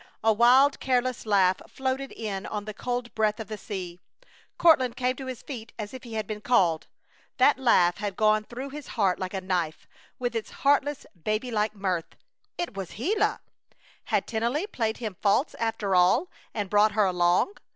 A wild, careless laugh floated in on the cold breath of the sea. Courtland came to his feet as if he had been called! That laugh had gone through his heart like a knife, with its heartless baby like mirth. It was Gila! Had Tennelly played him false, after all, and brought her along?